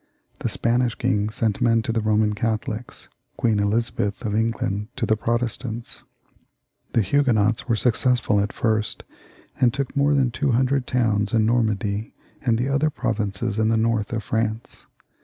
The Spanish king sent men to the Boman Catholics, Queen Elizabeth of England to the T 274 CHARLES IX. [ch. Protestants. The Huguenots were successful to begin with, and took more than two hundred towns in Normandy and the other provinces in the north of France.